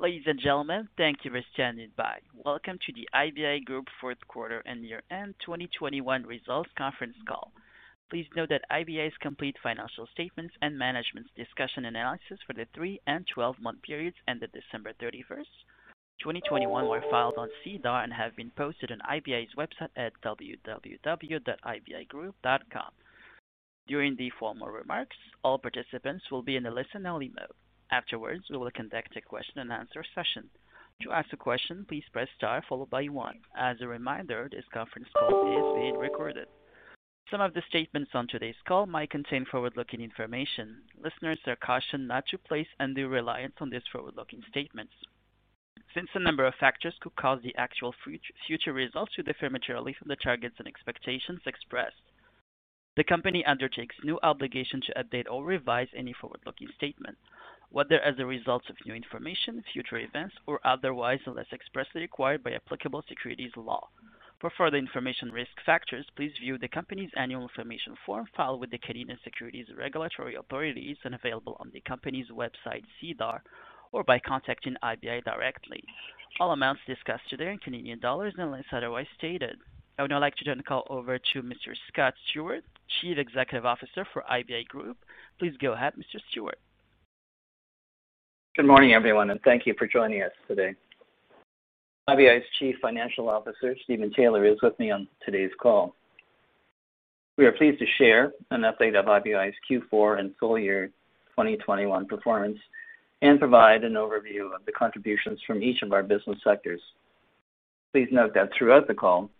Ladies and gentlemen, thank you for standing by. Welcome to the IBI Group Fourth Quarter and Year End 2021 Results Conference Call. Please note that IBI's complete financial statements and management's discussion and analysis for the three- and 12-month periods ended December 31, 2021 were filed on SEDAR and have been posted on IBI's website at www.ibigroup.com. During the formal remarks, all participants will be in a listen-only mode. Afterwards, we will conduct a question-and-answer session. To ask a question, please press * followed by 1. As a reminder, this conference call is being recorded. Some of the statements on today's call might contain forward-looking information. Listeners are cautioned not to place undue reliance on these forward-looking statements. Since a number of factors could cause the actual future results to differ materially from the targets and expectations expressed, the company undertakes no obligation to update or revise any forward-looking statement, whether as a result of new information, future events, or otherwise unless expressly required by applicable securities law. For further information on risk factors, please view the company's annual information form filed with the Canadian Securities Regulatory Authorities and available on the company's website, SEDAR, or by contacting IBI directly. All amounts discussed today are in Canadian dollars unless otherwise stated. I would now like to turn the call over to Mr. Scott Stewart, Chief Executive Officer for IBI Group. Please go ahead, Mr. Stewart. Good morning, everyone, and thank you for joining us today. IBI's Chief Financial Officer, Stephen Taylor, is with me on today's call. We are pleased to share an update of IBI's Q4 and full year 2021 performance and provide an overview of the contributions from each of our business sectors. Please note that throughout the call,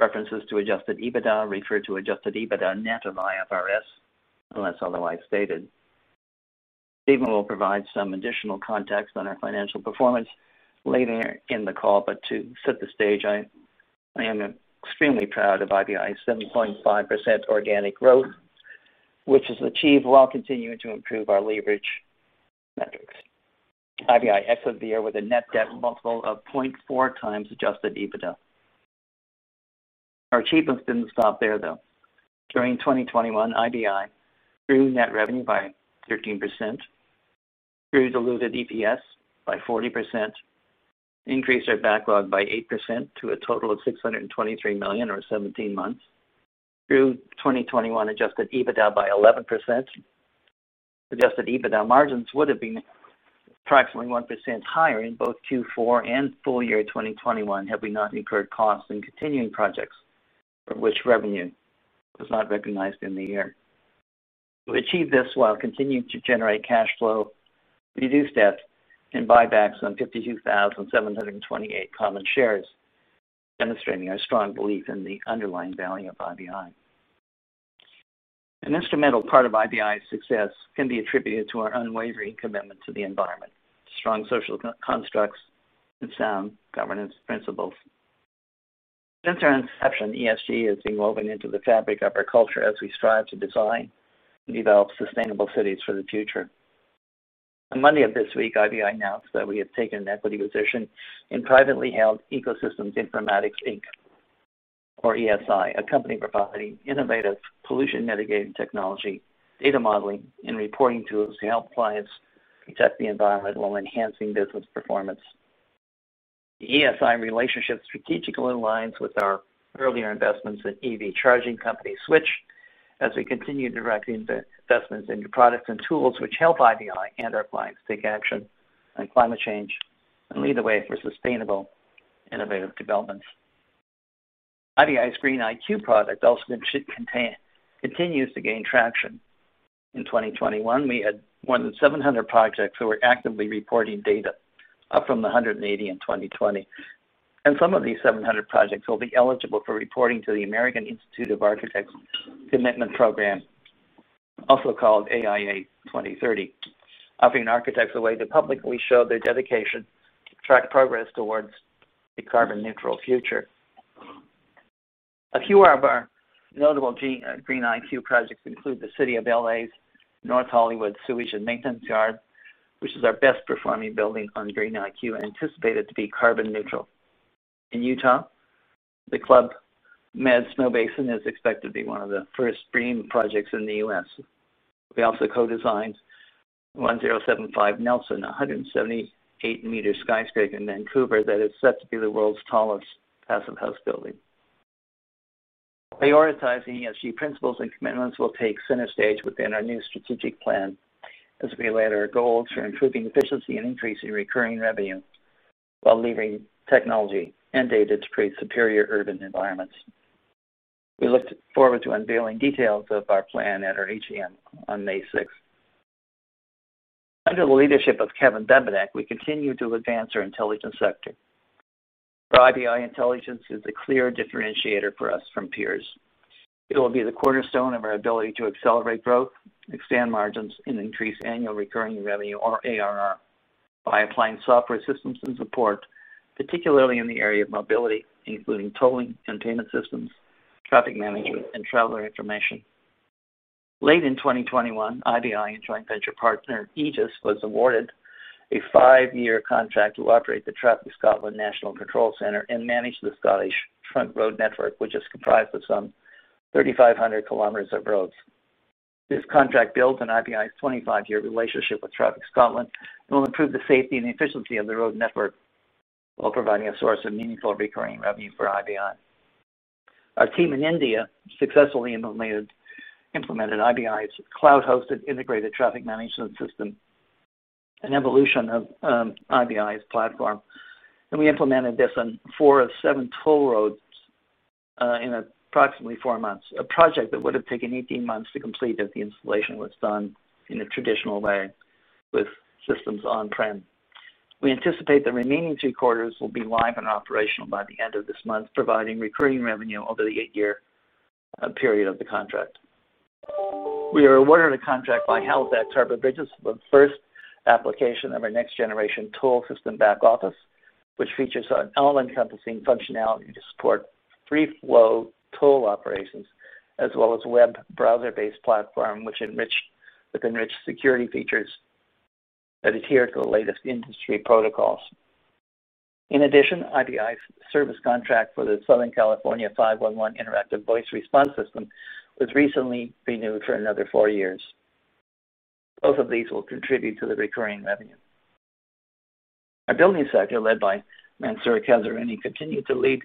references to adjusted EBITDA refer to adjusted EBITDA net of IFRS, unless otherwise stated. Stephen will provide some additional context on our financial performance later in the call. To set the stage, I am extremely proud of IBI's 7.5% organic growth, which is achieved while continuing to improve our leverage metrics. IBI exited the year with a net debt multiple of 0.4x adjusted EBITDA. Our achievements didn't stop there, though. During 2021, IBI grew net revenue by 13%, grew diluted EPS by 40%, increased our backlog by 8% to a total of 623 million or 17 months, grew 2021 adjusted EBITDA by 11%. Adjusted EBITDA margins would have been approximately 1% higher in both Q4 and full year 2021 had we not incurred costs in continuing projects for which revenue was not recognized in the year. We achieved this while continuing to generate cash flow, reduce debt and buybacks on 52,728 common shares, demonstrating our strong belief in the underlying value of IBI. An instrumental part of IBI's success can be attributed to our unwavering commitment to the environment, strong social constructs, and sound governance principles. Since our inception, ESG has been woven into the fabric of our culture as we strive to design and develop sustainable cities for the future. On Monday of this week, IBI announced that we have taken an equity position in privately held Ecosystem Informatics Inc, or ESI, a company providing innovative pollution mitigating technology, data modeling and reporting tools to help clients protect the environment while enhancing business performance. The ESI relationship strategically aligns with our earlier investments in EV charging company, SWTCH, as we continue directing the investments into products and tools which help IBI and our clients take action on climate change and lead the way for sustainable, innovative developments. IBI's Green IQ product also continues to gain traction. In 2021, we had more than 700 projects who were actively reporting data, up from 180 in 2020. Some of these 700 projects will be eligible for reporting to the American Institute of Architects Commitment Program, also called AIA 2030, offering architects a way to publicly show their dedication to track progress towards a carbon neutral future. A few of our notable Green IQ projects include the City of L.A.'s North Hollywood Sewage and Maintenance Yard, which is our best performing building on Green IQ, anticipated to be carbon neutral. In Utah, the Club Med Snowbasin is expected to be one of the first dream projects in the U.S. We also co-designed 1075 Nelson, a 178-meter skyscraper in Vancouver that is set to be the world's tallest Passive House building. Prioritizing ESG principles and commitments will take center stage within our new strategic plan as we lay out our goals for improving efficiency and increasing recurring revenue while leveraging technology and data to create superior urban environments. We look forward to unveiling details of our plan at our AGM on May 6. Under the leadership of Kevin Bebenek, we continue to advance our intelligence sector, for IBI Intelligence is a clear differentiator for us from peers. It will be the cornerstone of our ability to accelerate growth, expand margins, and increase annual recurring revenue, or ARR, by applying software systems and support, particularly in the area of mobility, including tolling, containment systems, traffic management, and traveler information. Late in 2021, IBI and joint venture partner, Egis, was awarded a 5-year contract to operate the Traffic Scotland National Control Center and manage the Scottish trunk road network, which is comprised of some 3,500 kilometers of roads. This contract builds on IBI's 25-year relationship with Traffic Scotland and will improve the safety and efficiency of the road network while providing a source of meaningful recurring revenue for IBI. Our team in India successfully implemented IBI's cloud-hosted integrated traffic management system, an evolution of IBI's platform. We implemented this on 4 of 7 toll roads in approximately 4 months, a project that would have taken 18 months to complete if the installation was done in a traditional way with systems on-prem. We anticipate the remaining two quarters will be live and operational by the end of this month, providing recurring revenue over the 8-year period of the contract. We are awarded a contract by Halifax Harbour Bridges, the first application of our next generation toll system back office, which features an all-encompassing functionality to support free flow toll operations, as well as web browser-based platform with enriched security features that adhere to the latest industry protocols. In addition, IBI's service contract for the Southern California 511 interactive voice response system was recently renewed for another 4 years. Both of these will contribute to the recurring revenue. Our building sector, led by Mansoor Kazerouni, continued to lead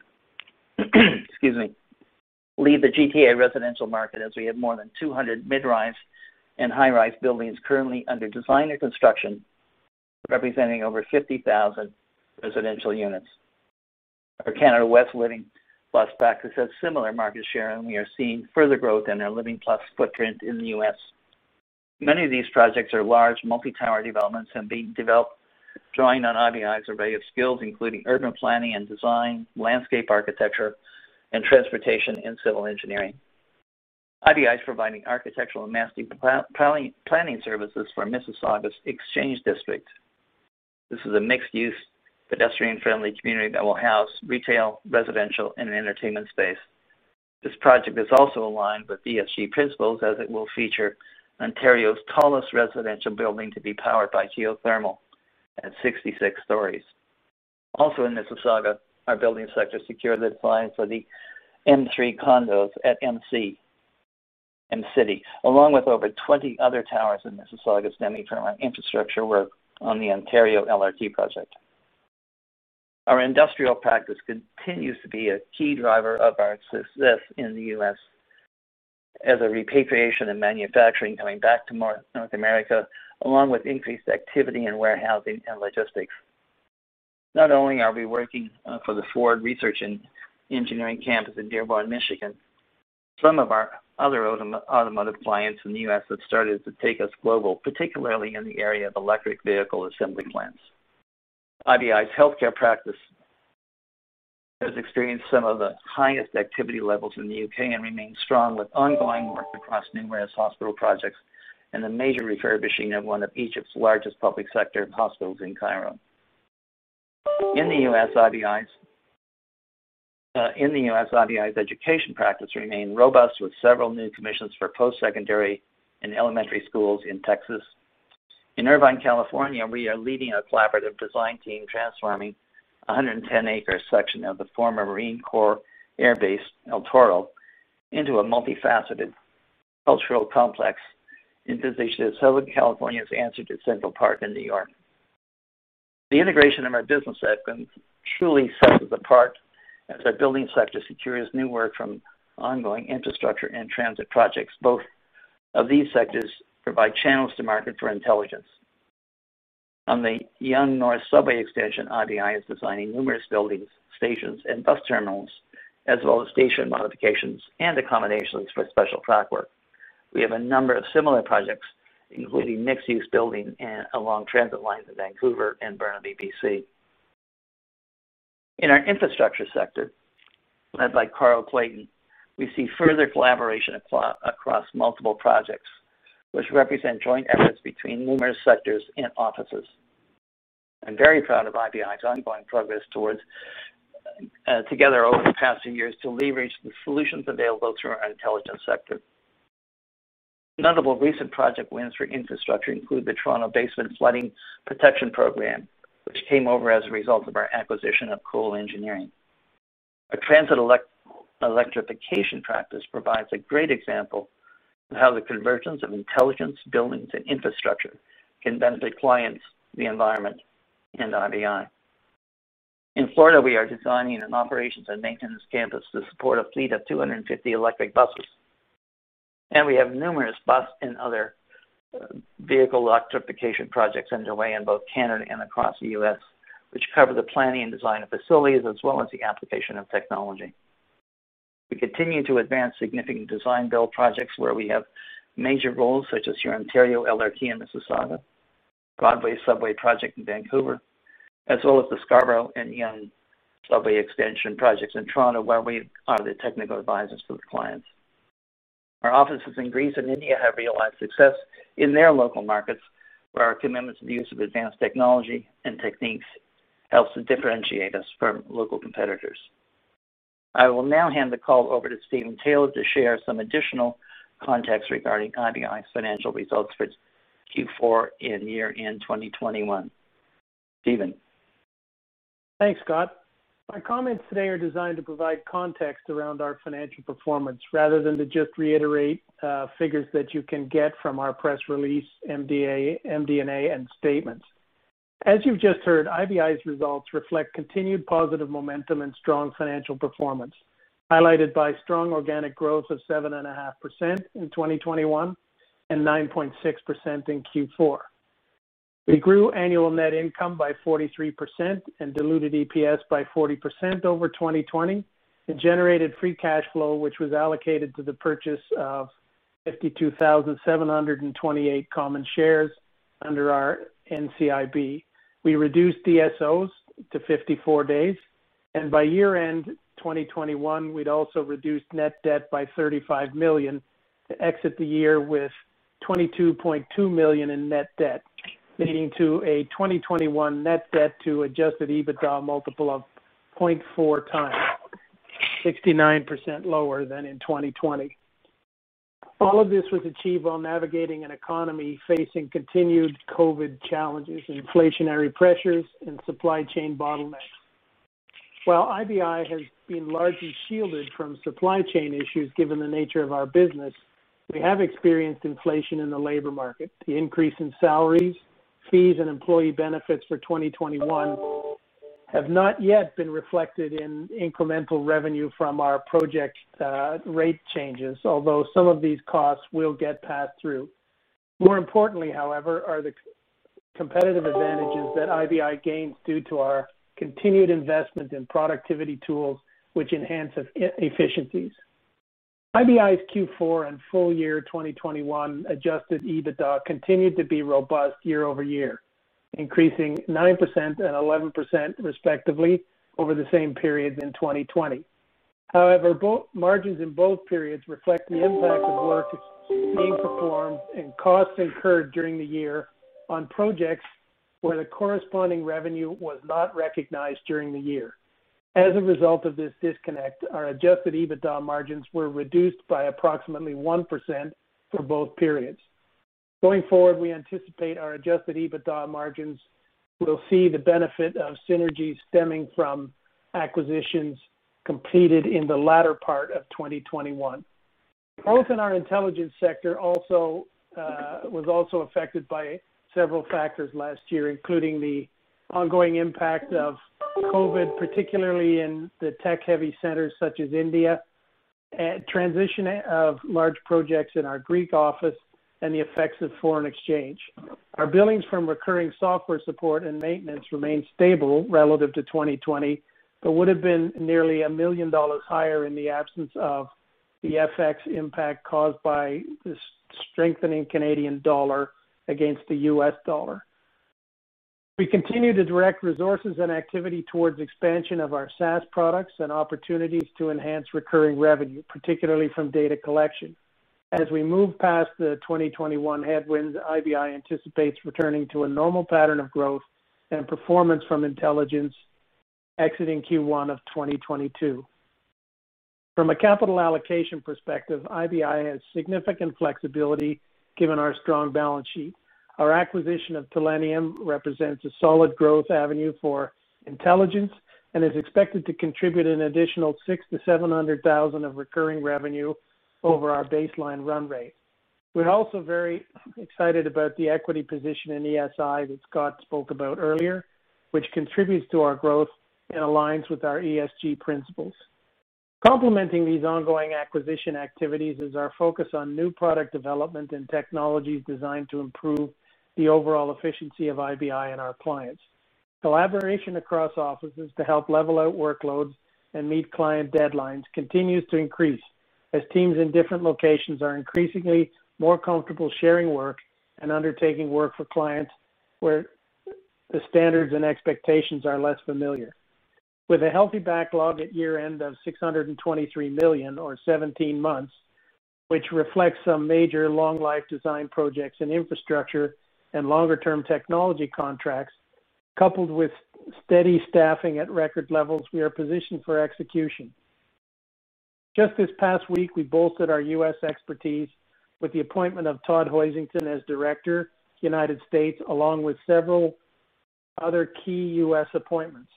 the GTA residential market as we have more than 200 mid-rise and high-rise buildings currently under design and construction, representing over 50,000 residential units. Our Canada West Living+ practice has similar market share, and we are seeing further growth in our Living+ footprint in the U.S. Many of these projects are large multi-tower developments and being developed, drawing on IBI's array of skills, including urban planning and design, landscape architecture, and transportation and civil engineering. IBI is providing architectural and master planning services for Mississauga's Exchange District. This is a mixed-use, pedestrian-friendly community that will house retail, residential, and an entertainment space. This project is also aligned with ESG principles as it will feature Ontario's tallest residential building to be powered by geothermal at 66 stories. Also in Mississauga, our building sector secured the design for the M3 condos at M City, along with over 20 other towers in Mississauga and permanent infrastructure work on the Ontario LRT project. Our industrial practice continues to be a key driver of our success in the U.S. as a repatriation of manufacturing coming back to North America, along with increased activity in warehousing and logistics. Not only are we working for the Ford Research and Engineering Campus in Dearborn, Michigan, some of our other automotive clients in the U.S. have started to take us global, particularly in the area of electric vehicle assembly plants. IBI's healthcare practice has experienced some of the highest activity levels in the U.K. and remains strong with ongoing work across numerous hospital projects and the major refurbishing of one of Egypt's largest public sector hospitals in Cairo. In the U.S., IBI's education practice remained robust with several new commissions for post-secondary and elementary schools in Texas. In Irvine, California, we are leading a collaborative design team transforming a 110-acre section of the former Marine Corps Air Base, El Toro, into a multifaceted cultural complex and positioned as Southern California's answer to Central Park in New York. The integration of our business segments truly sets us apart as our building sector secures new work from ongoing infrastructure and transit projects. Both of these sectors provide channels to market for intelligence. On the Yonge North Subway Extension, IBI is designing numerous buildings, stations, and bus terminals, as well as station modifications and accommodations for special track work. We have a number of similar projects, including mixed-use buildings along transit lines in Vancouver and Burnaby, BC. In our infrastructure sector, led by Carl Clayton, we see further collaboration across multiple projects, which represent joint efforts between numerous sectors and offices. I'm very proud of IBI's ongoing progress towards together over the past few years to leverage the solutions available through our intelligence sector. Notable recent project wins for infrastructure include the Toronto Basement Flooding Protection Program, which came over as a result of our acquisition of Cole Engineering. Our transit electrification practice provides a great example of how the convergence of intelligence, buildings, and infrastructure can benefit clients, the environment, and IBI. In Florida, we are designing an operations and maintenance campus to support a fleet of 250 electric buses. We have numerous bus and other vehicle electrification projects underway in both Canada and across the U.S., which cover the planning and design of facilities as well as the application of technology. We continue to advance significant design build projects where we have major roles, such as Hurontario LRT in Mississauga, Broadway Subway project in Vancouver, as well as the Scarborough and Yonge Subway extension projects in Toronto, where we are the technical advisors for the clients. Our offices in Greece and India have realized success in their local markets, where our commitment to the use of advanced technology and techniques helps to differentiate us from local competitors. I will now hand the call over to Stephen Taylor to share some additional context regarding IBI's financial results for Q4 and year-end 2021. Stephen? Thanks, Scott. My comments today are designed to provide context around our financial performance rather than to just reiterate figures that you can get from our press release, MD&A, and statements. As you've just heard, IBI's results reflect continued positive momentum and strong financial performance, highlighted by strong organic growth of 7.5% in 2021, and 9.6% in Q4. We grew annual net income by 43% and diluted EPS by 40% over 2020, and generated free cash flow, which was allocated to the purchase of 52,728 common shares under our NCIB. We reduced DSOs to 54 days. By year-end 2021, we'd also reduced net debt by 35 million to exit the year with 22.2 million in net debt, leading to a net debt to adjusted EBITDA multiple of 0.4x, 69% lower than in 2020. All of this was achieved while navigating an economy facing continued COVID challenges, inflationary pressures, and supply chain bottlenecks. While IBI has been largely shielded from supply chain issues given the nature of our business, we have experienced inflation in the labor market. The increase in salaries, fees, and employee benefits for 2021 have not yet been reflected in incremental revenue from our project rate changes, although some of these costs will get passed through. More importantly, however, are the competitive advantages that IBI gains due to our continued investment in productivity tools which enhance efficiencies. IBI's Q4 and full year 2021 adjusted EBITDA continued to be robust year-over-year, increasing 9% and 11% respectively over the same periods in 2020. However, both margins in both periods reflect the impact of work being performed and costs incurred during the year on projects where the corresponding revenue was not recognized during the year. As a result of this disconnect, our adjusted EBITDA margins were reduced by approximately 1% for both periods. Going forward, we anticipate our adjusted EBITDA margins will see the benefit of synergies stemming from acquisitions completed in the latter part of 2021. Growth in our intelligence sector also was affected by several factors last year, including the ongoing impact of COVID, particularly in the tech-heavy centers such as India, transition of large projects in our Greek office, and the effects of foreign exchange. Our billings from recurring software support and maintenance remained stable relative to 2020, but would have been nearly $1 million higher in the absence of the FX impact caused by the strengthening Canadian dollar against the US dollar. We continue to direct resources and activity towards expansion of our SaaS products and opportunities to enhance recurring revenue, particularly from data collection. As we move past the 2021 headwinds, IBI anticipates returning to a normal pattern of growth and performance from Intelligence exiting Q1 of 2022. From a capital allocation perspective, IBI has significant flexibility given our strong balance sheet. Our acquisition of Telenium represents a solid growth avenue for Intelligence and is expected to contribute an additional 600,000-700,000 of recurring revenue over our baseline run rate. We're also very excited about the equity position in ESI that Scott spoke about earlier, which contributes to our growth and aligns with our ESG principles. Complementing these ongoing acquisition activities is our focus on new product development and technologies designed to improve the overall efficiency of IBI and our clients. Collaboration across offices to help level out workloads and meet client deadlines continues to increase as teams in different locations are increasingly more comfortable sharing work and undertaking work for clients where the standards and expectations are less familiar. With a healthy backlog at year-end of 623 million or 17 months, which reflects some major long life design projects and infrastructure and longer-term technology contracts, coupled with steady staffing at record levels, we are positioned for execution. Just this past week, we bolstered our U.S. expertise with the appointment of Todd Hoisington as Director, United States, along with several other key U.S. appointments.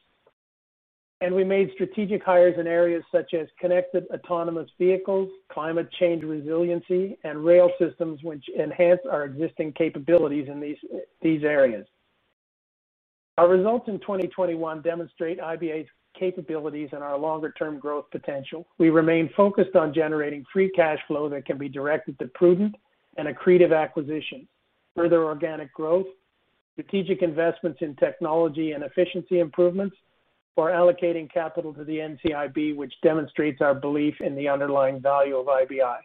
We made strategic hires in areas such as connected autonomous vehicles, climate change resiliency, and rail systems which enhance our existing capabilities in these areas. Our results in 2021 demonstrate IBI's capabilities and our longer-term growth potential. We remain focused on generating free cash flow that can be directed to prudent and accretive acquisitions, further organic growth, strategic investments in technology and efficiency improvements, or allocating capital to the NCIB, which demonstrates our belief in the underlying value of IBI.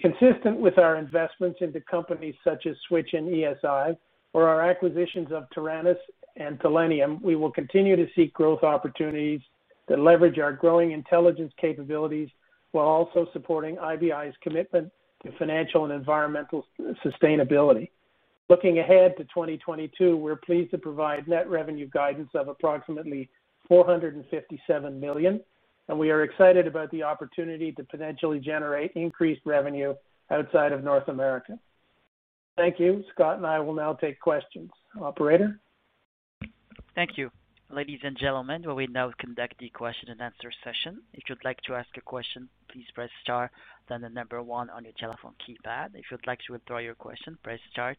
Consistent with our investments into companies such as SWTCH and ESI or our acquisitions of Taranis and Telenium, we will continue to seek growth opportunities that leverage our growing intelligence capabilities while also supporting IBI's commitment to financial and environmental sustainability. Looking ahead to 2022, we're pleased to provide net revenue guidance of approximately 457 million, and we are excited about the opportunity to potentially generate increased revenue outside of North America. Thank you. Scott and I will now take questions. Operator? Thank you. Ladies and gentlemen, we will now conduct the question-and-answer session. If you'd like to ask a question, please press *, then the number 1 on your telephone keypad. If you'd like to withdraw your question, press *2.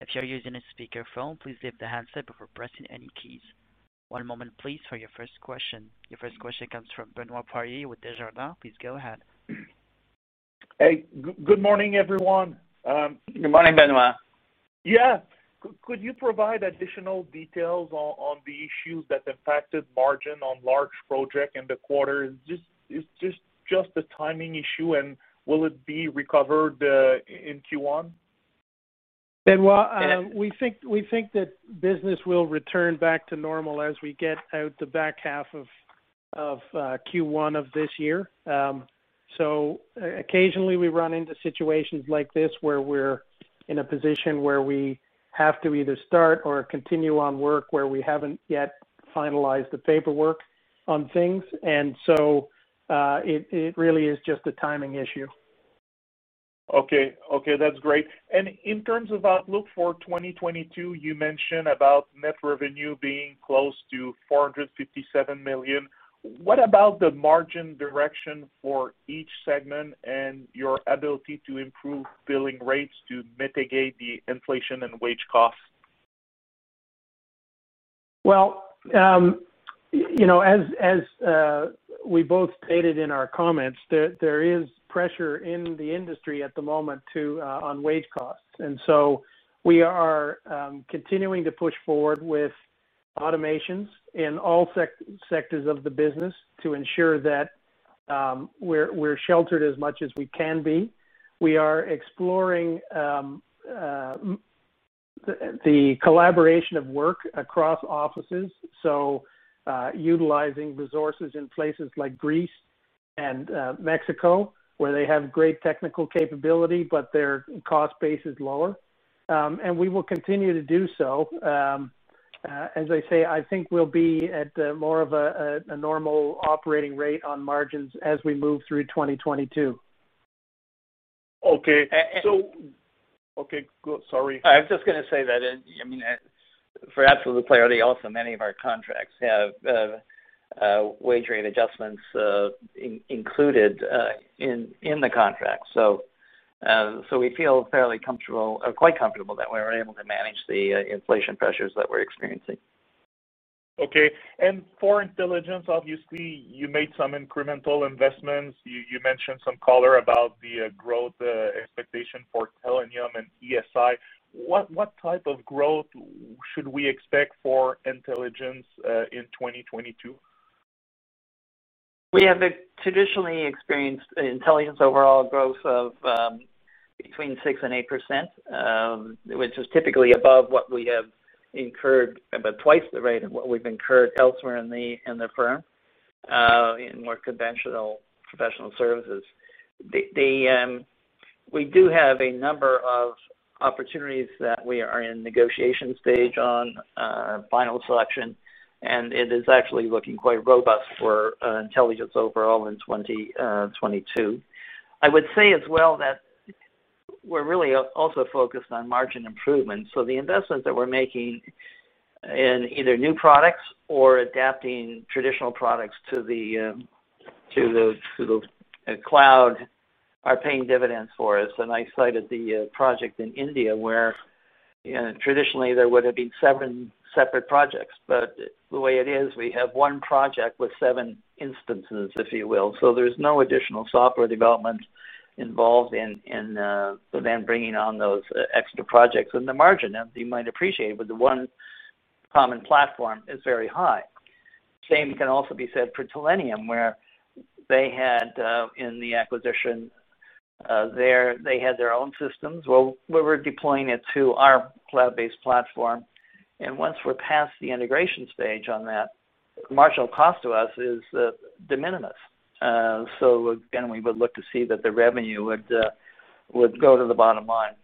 If you're using a speakerphone, please lift the handset before pressing any keys. One moment please for your first question. Your first question comes from Benoit Poirier with Desjardins. Please go ahead. Hey, good morning, everyone. Good morning, Benoit. Could you provide additional details on the issues that impacted margin on large project in the quarter? Is this just a timing issue, and will it be recovered in Q1? Benoit, we think that business will return back to normal as we get out the back half of Q1 of this year. Occasionally, we run into situations like this where we're in a position where we have to either start or continue on work where we haven't yet finalized the paperwork on things. It really is just a timing issue. Okay. Okay, that's great. In terms of outlook for 2022, you mentioned about net revenue being close to 457 million. What about the margin direction for each segment and your ability to improve billing rates to mitigate the inflation and wage costs? You know, as we both stated in our comments, there is pressure in the industry at the moment on wage costs. We are continuing to push forward with automations in all sectors of the business to ensure that we're sheltered as much as we can be. We are exploring the collaboration of work across offices, so utilizing resources in places like Greece and Mexico, where they have great technical capability, but their cost base is lower. We will continue to do so. As I say, I think we'll be at more of a normal operating rate on margins as we move through 2022. Okay. and Okay, go. Sorry. I was just gonna say that, I mean, for absolute clarity also, many of our contracts have wage rate adjustments included in the contract. We feel fairly comfortable or quite comfortable that we're able to manage the inflation pressures that we're experiencing. Okay. For intelligence, obviously, you made some incremental investments. You mentioned some color about the growth expectation for Telenium and ESI. What type of growth should we expect for intelligence in 2022? We have traditionally experienced Intelligence overall growth of between 6%-8%, which is typically above what we have incurred, about twice the rate of what we've incurred elsewhere in the firm in more conventional professional services. We do have a number of opportunities that we are in negotiation stage on final selection, and it is actually looking quite robust for Intelligence overall in 2022. I would say as well that we're really also focused on margin improvements. The investments that we're making in either new products or adapting traditional products to the cloud are paying dividends for us. I cited the project in India, where, you know, traditionally there would have been seven separate projects. The way it is, we have one project with seven instances, if you will. There's no additional software development involved in with them bringing on those extra projects. The margin, as you might appreciate with the one common platform, is very high. Same can also be said for Telenium, where they had in the acquisition there their own systems, well, we were deploying it to our cloud-based platform. Once we're past the integration stage on that, marginal cost to us is de minimis. Again, we would look to see that the revenue would go to the bottom line.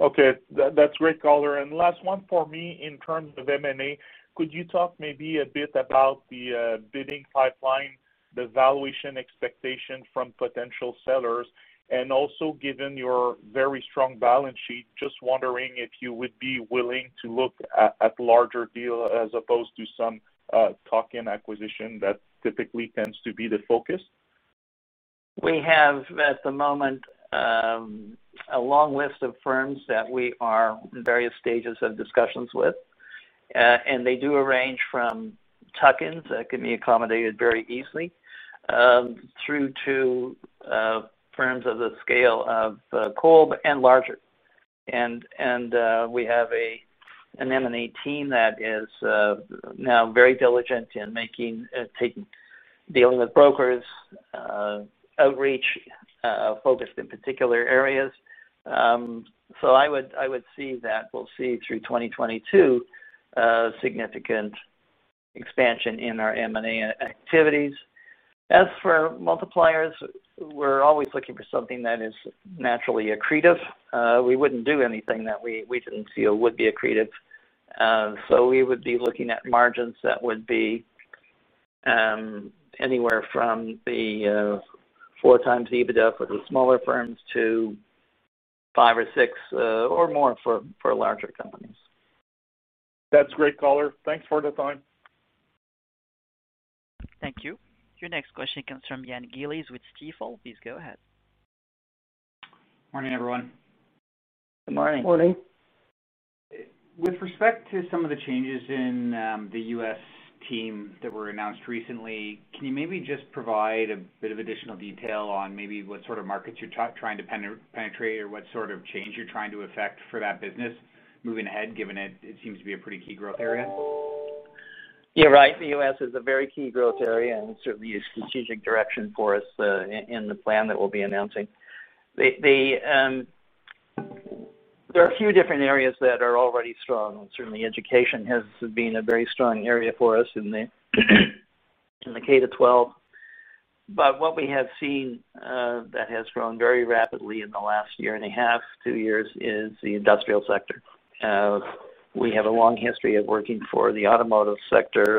Okay. That's great color. Last one for me in terms of M&A. Could you talk maybe a bit about the bidding pipeline, the valuation expectation from potential sellers? Also given your very strong balance sheet, just wondering if you would be willing to look at a larger deal as opposed to some tuck-in acquisition that typically tends to be the focus. We have, at the moment, a long list of firms that we are in various stages of discussions with. They do range from tuck-ins that can be accommodated very easily, through to firms of the scale of Cole and larger. We have an M&A team that is now very diligent in dealing with brokers, outreach focused in particular areas. I would see that we'll see through 2022 a significant expansion in our M&A activities. As for multipliers, we're always looking for something that is naturally accretive. We wouldn't do anything that we didn't feel would be accretive. We would be looking at margins that would be anywhere from the 4x EBITDA for the smaller firms to 5 or 6 or more for larger companies. That's great, caller. Thanks for the time. Thank you. Your next question comes from Ian Gillies with Stifel. Please go ahead. Morning, everyone. Good morning. Morning. With respect to some of the changes in the U.S. team that were announced recently, can you maybe just provide a bit of additional detail on maybe what sort of markets you're trying to penetrate or what sort of change you're trying to affect for that business moving ahead, given it seems to be a pretty key growth area? You're right. The U.S. is a very key growth area, and certainly a strategic direction for us, in the plan that we'll be announcing. There are a few different areas that are already strong, and certainly education has been a very strong area for us in the K-12. What we have seen that has grown very rapidly in the last year and a half, two years, is the industrial sector. We have a long history of working for the automotive sector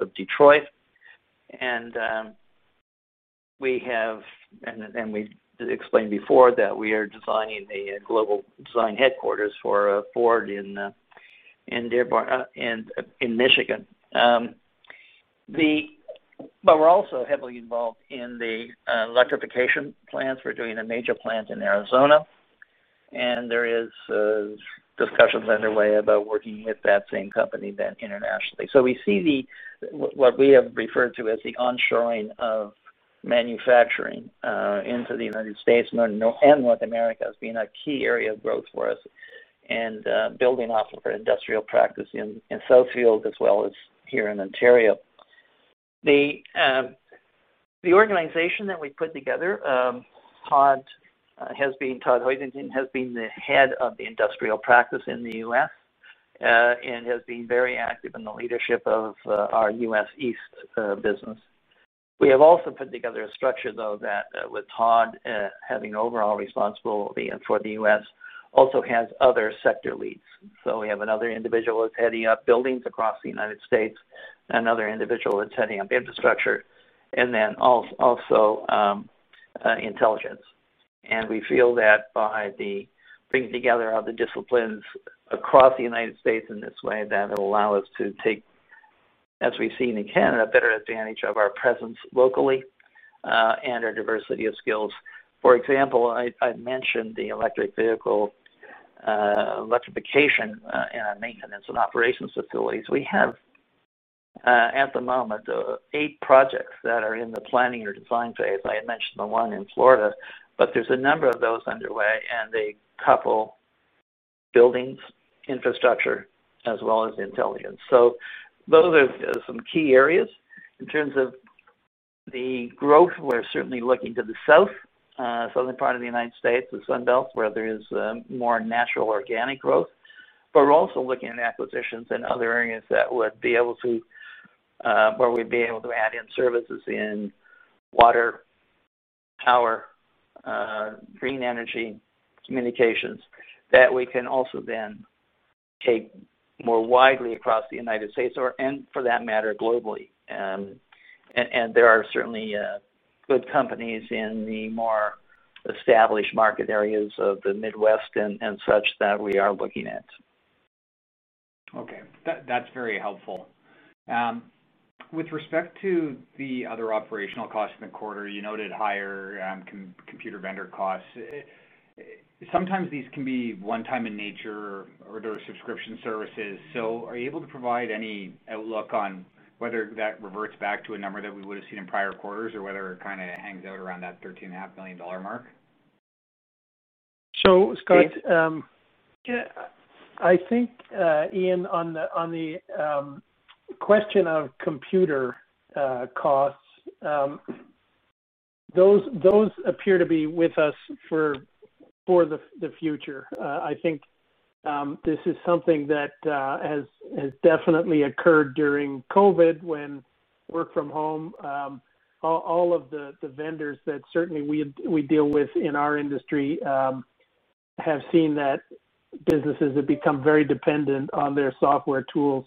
of Detroit. We explained before that we are designing a global design headquarters for Ford in Dearborn, in Michigan. We're also heavily involved in the electrification plans. We're doing a major plant in Arizona, and there is discussions underway about working with that same company then internationally. We see what we have referred to as the onshoring of manufacturing into the United States and North America as being a key area of growth for us, and building off of our industrial practice in Southfield as well as here in Ontario. The organization that we put together, Todd Hoisington has been the head of the industrial practice in the U.S., and has been very active in the leadership of our U.S. East business. We have also put together a structure, though, that with Todd having overall responsibility for the U.S. also has other sector leads. We have another individual who's heading up buildings across the United States, another individual that's heading up infrastructure, and then also intelligence. We feel that by the bringing together of the disciplines across the United States in this way, that it'll allow us to take, as we've seen in Canada, better advantage of our presence locally, and our diversity of skills. For example, I mentioned the electric vehicle electrification and our maintenance and operations facilities. We have, at the moment, eight projects that are in the planning or design phase. I had mentioned the one in Florida, but there's a number of those underway, and they couple buildings, infrastructure, as well as intelligence. Those are some key areas. In terms of the growth, we're certainly looking to the South, southern part of the United States, the Sun Belt, where there is more natural organic growth. We're also looking at acquisitions in other areas that would be able to, where we'd be able to add in services in water, power, green energy, communications, that we can also then take more widely across the United States or, and for that matter, globally. And there are certainly good companies in the more established market areas of the Midwest and such that we are looking at. Okay. That's very helpful. With respect to the other operational costs in the quarter, you noted higher computer vendor costs. Sometimes these can be one-time in nature or they're subscription services. Are you able to provide any outlook on whether that reverts back to a number that we would have seen in prior quarters or whether it kinda hangs out around that 13.5 million dollar mark? Scott, I think Ian, on the question of computer costs, those appear to be with us for the future. I think this is something that has definitely occurred during COVID when work from home. All of the vendors that we deal with in our industry have seen that businesses have become very dependent on their software tools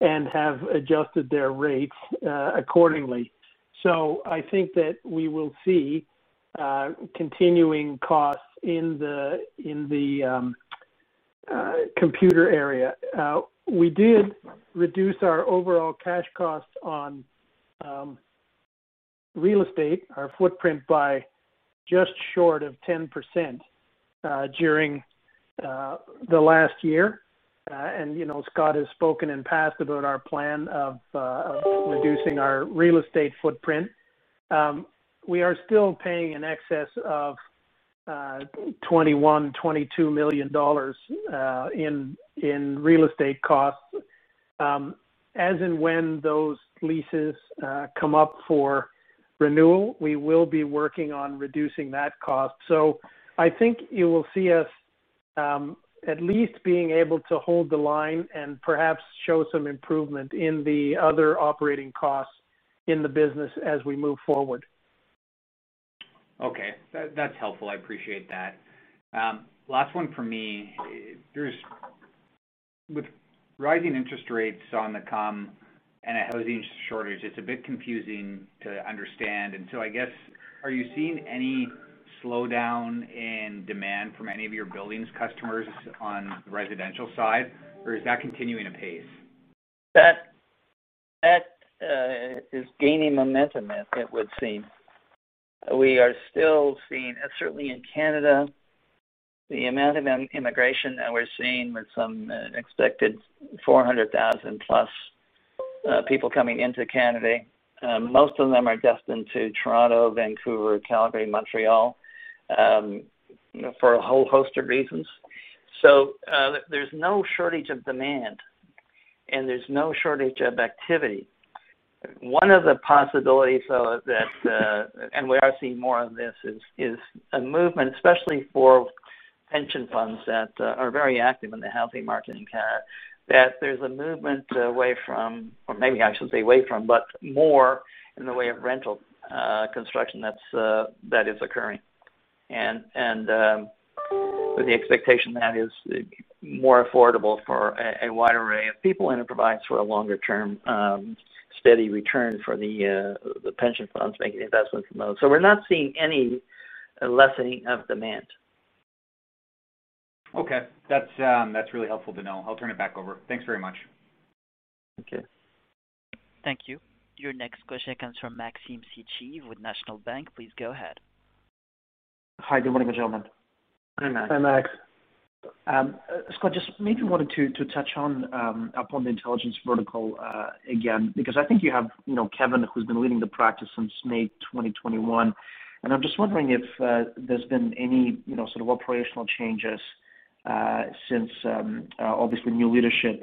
and have adjusted their rates accordingly. I think that we will see continuing costs in the computer area. We did reduce our overall cash costs on real estate, our footprint, by just short of 10%, during the last year. You know, Scott has spoken in past about our plan of reducing our real estate footprint. We are still paying in excess of 21 million-22 million dollars in real estate costs. As and when those leases come up for renewal, we will be working on reducing that cost. I think you will see us at least being able to hold the line and perhaps show some improvement in the other operating costs in the business as we move forward. Okay. That's helpful. I appreciate that. Last one for me. With rising interest rates on the come and a housing shortage, it's a bit confusing to understand. I guess, are you seeing any slowdown in demand from any of your Buildings customers on the residential side, or is that continuing apace? That is gaining momentum as it would seem. We are still seeing, certainly in Canada, the amount of immigration that we're seeing with some expected 400,000+ people coming into Canada, most of them are destined to Toronto, Vancouver, Calgary, Montreal, for a whole host of reasons. There's no shortage of demand, and there's no shortage of activity. One of the possibilities, though, that we are seeing more of this, is a movement, especially for pension funds that are very active in the housing market in Canada, that there's a movement away from or maybe I should say, but more in the way of rental construction that is occurring. with the expectation that is more affordable for a wide array of people, and it provides for a longer term, steady return for the pension funds making investments in those. We're not seeing any lessening of demand. Okay. That's really helpful to know. I'll turn it back over. Thanks very much. Okay. Thank you. Your next question comes from Maxim Sytchev with National Bank. Please go ahead. Hi, good morning, gentlemen. Hi, Max. Hi, Max. Scott, just maybe wanted to touch on upon the intelligence vertical again. Because I think you have, you know, Kevin, who's been leading the practice since May 2021, and I'm just wondering if there's been any, you know, sort of operational changes since obviously new leadership.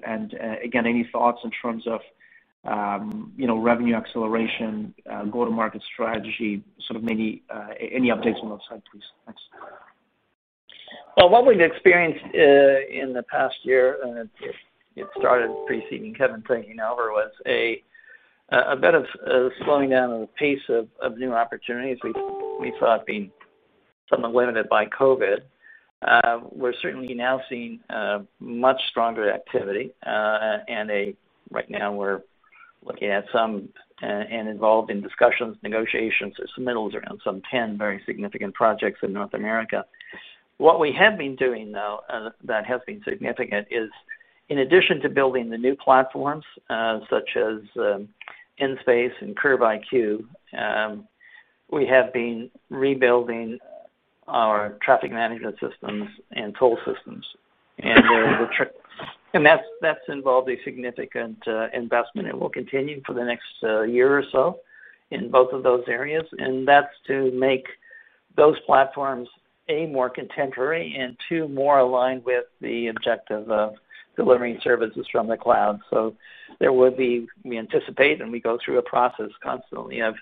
Again, any thoughts in terms of, you know, revenue acceleration, go-to-market strategy, sort of maybe any updates on those sides, please. Thanks. Well, what we've experienced in the past year, and it started preceding Kevin taking over, was a bit of slowing down on the pace of new opportunities we thought being somewhat limited by COVID. We're certainly now seeing much stronger activity. Right now we're looking at and involved in discussions, negotiations, submittals around some 10 very significant projects in North America. What we have been doing, though, that has been significant is in addition to building the new platforms, such as Nspace and CurbIQ, we have been rebuilding our traffic management systems and toll systems. That's involved a significant investment, and will continue for the next year or so in both of those areas. That's to make those platforms one more contemporary, and two more aligned with the objective of delivering services from the cloud. We anticipate there would be and we go through a process constantly of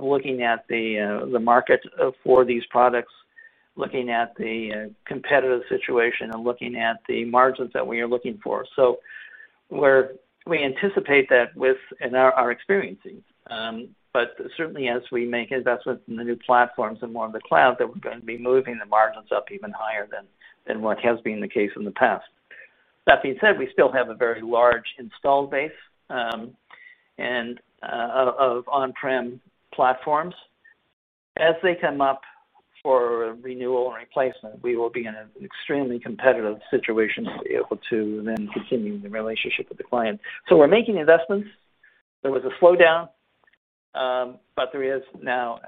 looking at the market for these products, looking at the competitive situation, and looking at the margins that we are looking for. We're anticipating that and are experiencing. But certainly as we make investments in the new platforms and more in the cloud, that we're gonna be moving the margins up even higher than what has been the case in the past. That being said, we still have a very large installed base of on-prem platforms. As they come up for renewal and replacement, we will be in an extremely competitive situation to be able to then continue the relationship with the client. We're making investments. There was a slowdown, but there is now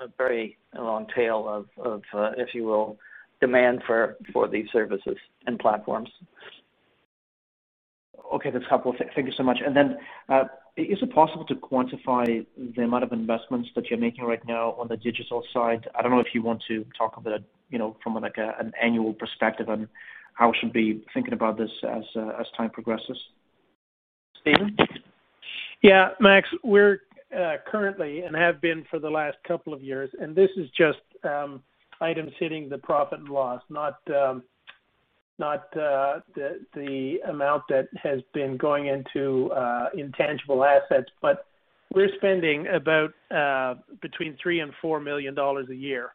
a very long tail of, if you will, demand for these services and platforms. Okay. That's helpful. Thank you so much. Is it possible to quantify the amount of investments that you're making right now on the digital side? I don't know if you want to talk about, you know, from like a, an annual perspective on how we should be thinking about this as time progresses. Stephen? Max, we're currently and have been for the last couple of years, and this is just items hitting the profit and loss, not the amount that has been going into intangible assets. We're spending about between 3 million and 4 million dollars a year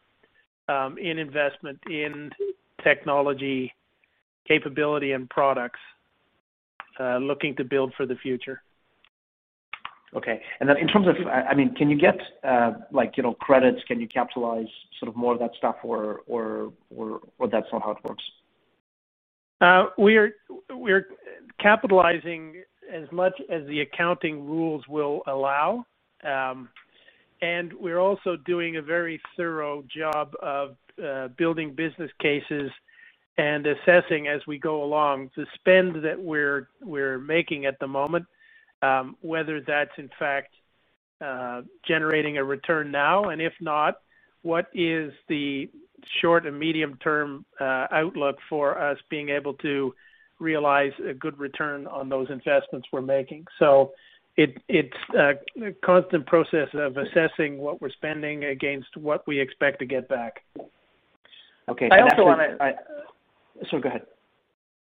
in investment in technology capability and products looking to build for the future. Okay. In terms of, I mean, can you get, like, you know, credits? Can you capitalize sort of more of that stuff or that's not how it works? We're capitalizing as much as the accounting rules will allow. We're also doing a very thorough job of building business cases and assessing as we go along the spend that we're making at the moment, whether that's in fact generating a return now. If not, what is the short and medium term outlook for us being able to realize a good return on those investments we're making? It's a constant process of assessing what we're spending against what we expect to get back. Okay. I also wanna Sorry, go ahead.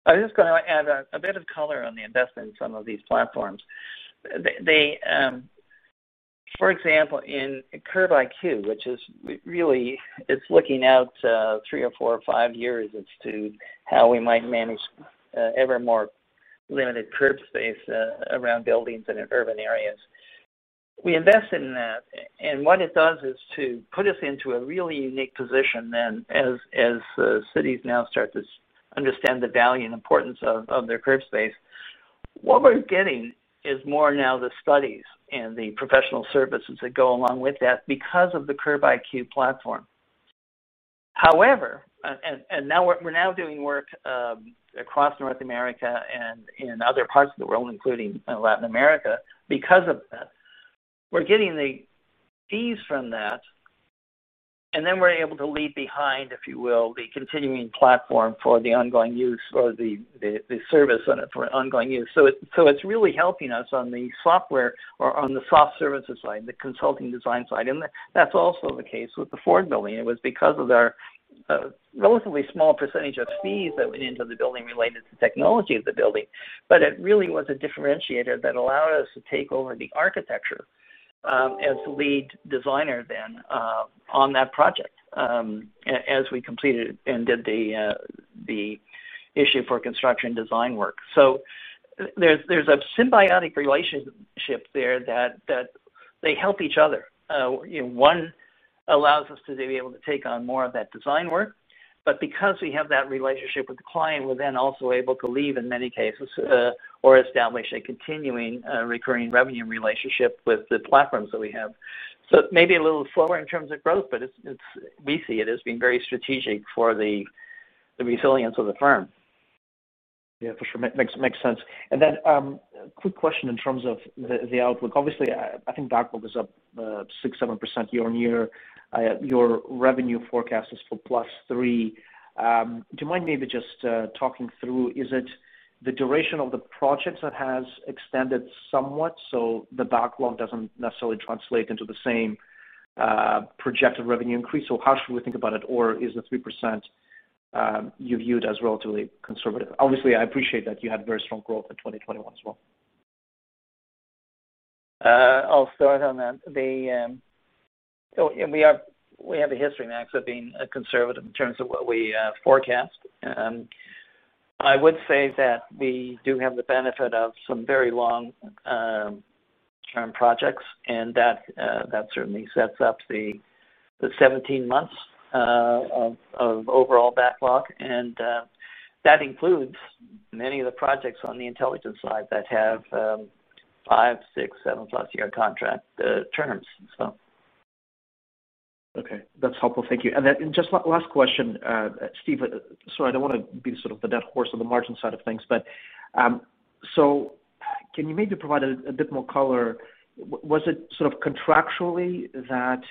I was just gonna add a bit of color on the investment in some of these platforms. For example, in Curb IQ, which is really it's looking out 3 or 4 or 5 years as to how we might manage ever more limited curb space around buildings and in urban areas. We invest in that, and what it does is to put us into a really unique position then as cities now start to understand the value and importance of their curb space. What we're getting is more now the studies and the professional services that go along with that because of the Curb IQ platform. However, and now we're now doing work across North America and in other parts of the world, including Latin America, because of that. We're getting the fees from that, and then we're able to leave behind, if you will, the continuing platform for the ongoing use or the service on it for ongoing use. It's really helping us on the software or on the soft services side, the consulting design side. That's also the case with the Ford building. It was because of their relatively small percentage of fees that went into the building related to technology of the building. It really was a differentiator that allowed us to take over the architecture as the lead designer then on that project as we completed and did the issue for construction design work. There's a symbiotic relationship there that they help each other. One allows us to be able to take on more of that design work, but because we have that relationship with the client, we're then also able to leave in many cases, or establish a continuing, recurring revenue relationship with the platforms that we have. It may be a little slower in terms of growth, but it's we see it as being very strategic for the resilience of the firm. For sure. Makes sense. Then, quick question in terms of the outlook. Obviously, I think backlog was up 6%-7% year-over-year. Your revenue forecast is for plus 3%. Do you mind maybe just talking through, is it the duration of the projects that has extended somewhat, so the backlog doesn't necessarily translate into the same projected revenue increase? How should we think about it? Or is the 3% you viewed as relatively conservative? Obviously, I appreciate that you had very strong growth in 2021 as well. I'll start on that. We have a history, Max, of being conservative in terms of what we forecast. I would say that we do have the benefit of some very long term projects, and that certainly sets up the 17 months of overall backlog. That includes many of the projects on the intelligence side that have 5, 6, 7+-year contract terms. Okay. That's helpful. Thank you. Just last question, Steve. Sorry, I don't wanna be sort of the dead horse on the margin side of things. Can you maybe provide a bit more color? Was it sort of contractually that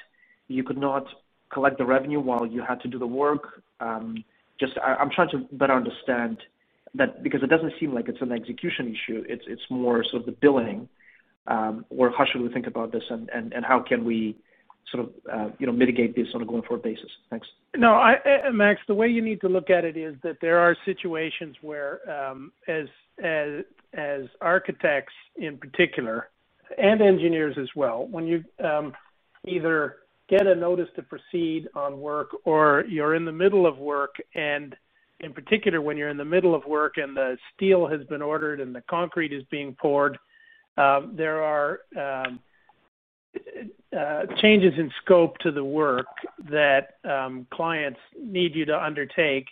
you could not collect the revenue while you had to do the work? Just, I'm trying to better understand that because it doesn't seem like it's an execution issue. It's more so the billing. How should we think about this, and how can we sort of, you know, mitigate this on a going-forward basis? Thanks. No, Ian and Max, the way you need to look at it is that there are situations where, as architects in particular, and engineers as well, when you either get a notice to proceed on work or you're in the middle of work, and in particular, when you're in the middle of work and the steel has been ordered and the concrete is being poured, there are changes in scope to the work that clients need you to undertake.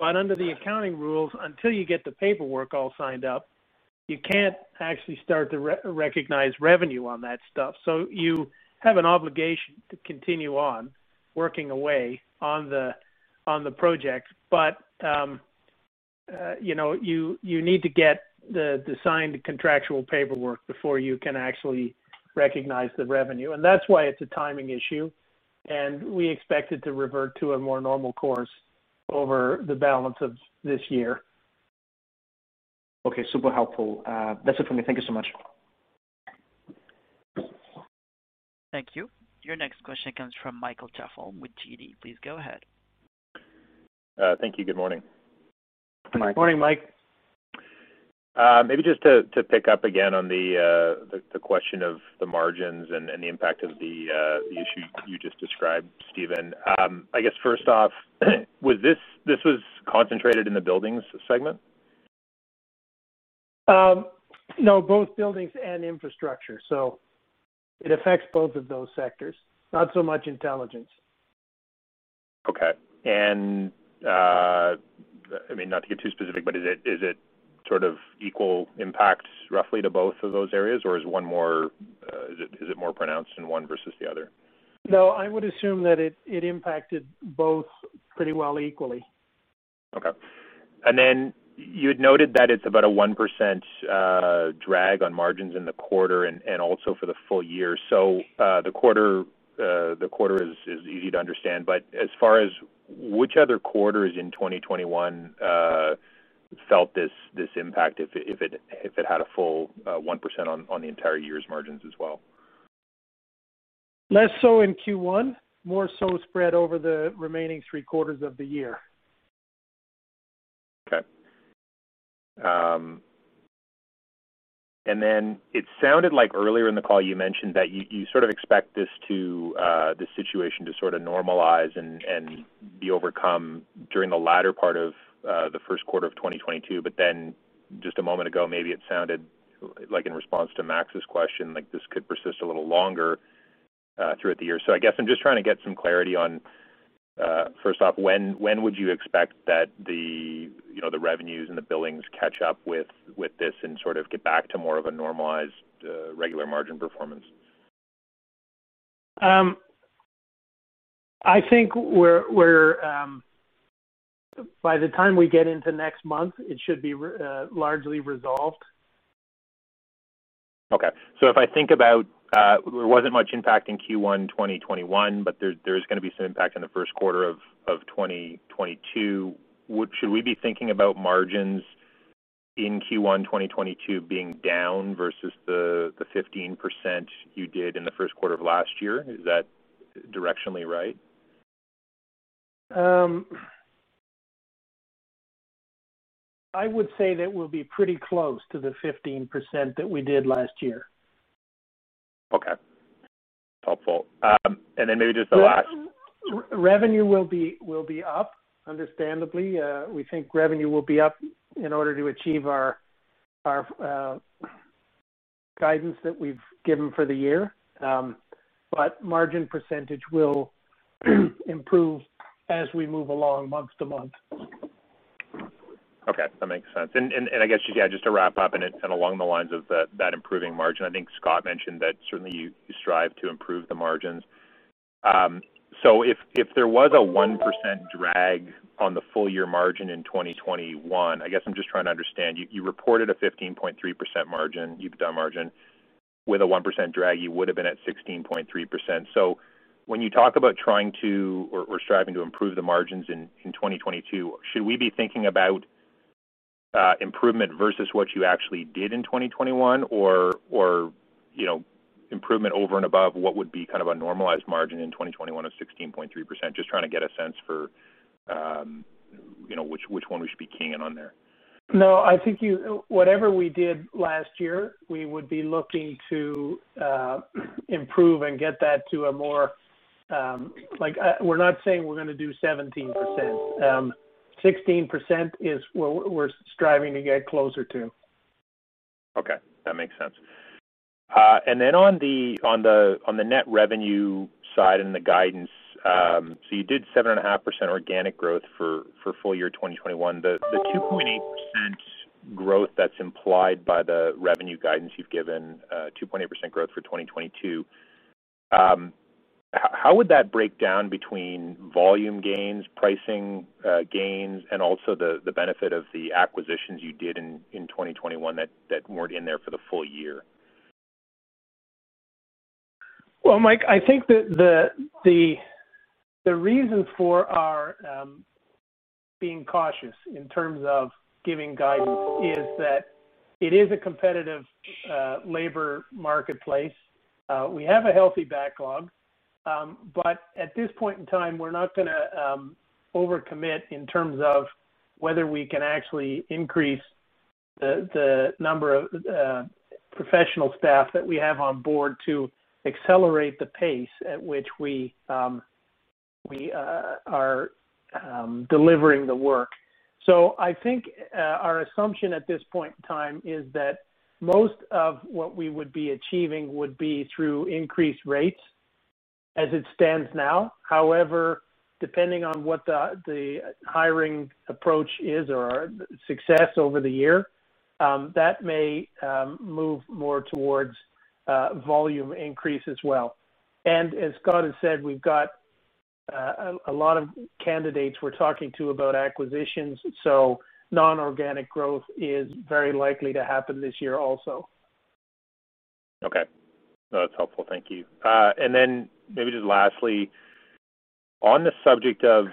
Under the accounting rules, until you get the paperwork all signed up, you can't actually start to re-recognize revenue on that stuff. You have an obligation to continue on working away on the project. You know, you need to get the signed contractual paperwork before you can actually recognize the revenue. That's why it's a timing issue, and we expect it to revert to a more normal course over the balance of this year. Okay. Super helpful. That's it for me. Thank you so much. Thank you. Your next question comes from Michael Tupholme with TD. Please go ahead. Thank you. Good morning. Good morning, Mike. Maybe just to pick up again on the question of the margins and the impact of the issue you just described, Stephen. I guess first off, was this concentrated in the buildings segment? No, both buildings and infrastructure. It affects both of those sectors, not so much intelligence. Okay. I mean, not to get too specific, but is it sort of equal impact roughly to both of those areas, or is one more, is it more pronounced in one versus the other? No, I would assume that it impacted both pretty well equally. Okay. You had noted that it's about a 1% drag on margins in the quarter and also for the full year. The quarter is easy to understand. As far as which other quarters in 2021 felt this impact if it had a full 1% on the entire year's margins as well? Less so in Q1, more so spread over the remaining three quarters of the year. Okay. Then it sounded like earlier in the call you mentioned that you sort of expect this situation to sort of normalize and be overcome during the latter part of the first quarter of 2022. Then just a moment ago, maybe it sounded like in response to Max's question, like this could persist a little longer throughout the year. I guess I'm just trying to get some clarity on first off, when would you expect that the, you know, the revenues and the billings catch up with this and sort of get back to more of a normalized regular margin performance? I think we're by the time we get into next month, it should be largely resolved. Okay. If I think about, there wasn't much impact in Q1 2021, but there's gonna be some impact in the first quarter of 2022. Should we be thinking about margins in Q1 2022 being down versus the 15% you did in the first quarter of last year? Is that directionally right? I would say that we'll be pretty close to the 15% that we did last year. Okay. Helpful. Maybe just the last- Revenue will be up, understandably. We think revenue will be up in order to achieve our guidance that we've given for the year. Margin percentage will improve as we move along month-to-month. Okay. That makes sense. I guess, yeah, just to wrap up, it's kind of along the lines of that improving margin. I think Scott mentioned that certainly you strive to improve the margins. If there was a 1% drag on the full year margin in 2021, I guess I'm just trying to understand. You reported a 15.3% margin, EBITDA margin. With a 1% drag, you would have been at 16.3%. When you talk about trying to or striving to improve the margins in 2022, should we be thinking about improvement versus what you actually did in 2021 or you know, improvement over and above what would be kind of a normalized margin in 2021 of 16.3%? Just trying to get a sense for, you know, which one we should be keying in on there. No, I think whatever we did last year, we would be looking to improve and get that to a more. Like, we're not saying we're gonna do 17%. 16% is where we're striving to get closer to. Okay, that makes sense. On the net revenue side and the guidance, you did 7.5% organic growth for full year 2021. The 2.8% growth that's implied by the revenue guidance you've given, 2.8% growth for 2022, how would that break down between volume gains, pricing gains, and also the benefit of the acquisitions you did in 2021 that weren't in there for the full year? Well, Mike, I think that the reason for our being cautious in terms of giving guidance is that it is a competitive labor marketplace. We have a healthy backlog, but at this point in time, we're not gonna over-commit in terms of whether we can actually increase the number of professional staff that we have on board to accelerate the pace at which we are delivering the work. I think our assumption at this point in time is that most of what we would be achieving would be through increased rates as it stands now. However, depending on what the hiring approach is or our success over the year, that may move more towards volume increase as well. As Scott has said, we've got a lot of candidates we're talking to about acquisitions, so non-organic growth is very likely to happen this year also. Okay. No, that's helpful. Thank you. Maybe just lastly, on the subject of